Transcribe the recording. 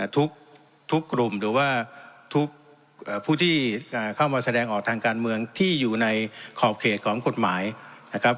ทุกกลุ่มหรือว่าทุกผู้ที่เข้ามาแสดงออกทางการเมืองที่อยู่ในขอบเขตของกฎหมายนะครับ